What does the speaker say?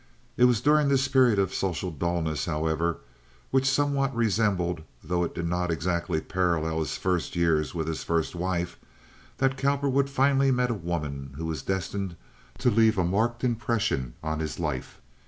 It was during this period of social dullness, however, which somewhat resembled, though it did not exactly parallel his first years with his first wife, that Cowperwood finally met a woman who was destined to leave a marked impression on his life.